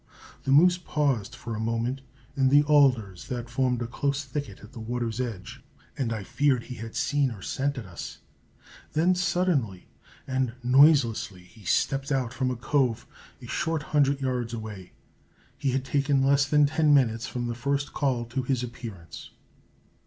The moose paused for a moment in the alders that formed a close thicket at the water's edge, and I feared he had seen or scented us; then suddenly and noiselessly he stepped out from a cove a short hundred yards away. He had taken less than ten minutes from the first call to his appearance.